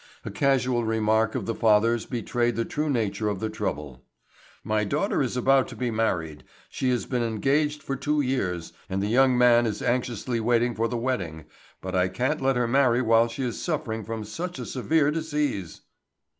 A casual remark of the father's betrayed the true nature of the trouble: "My daughter is about to be married; she has been engaged for two years, and the young man is anxiously waiting for the wedding; but I can't let her marry while she is suffering from such a severe disease."